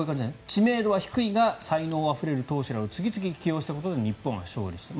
知名度は低いが才能あふれる投手らを次々起用したことで日本は勝利した。